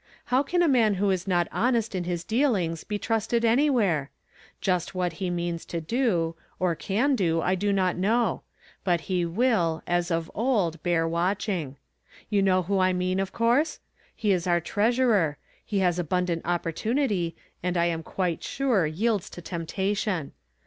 How can a man who is not honest in his dealincrs be trusted anywhere? Just what he means to do, or can do, I do not know; but he will, as of old, bear w^itchmg. You know who I mean, of course^ He IS our treasurer; he has abundant opportunity, and I am quite sure yields to temptation.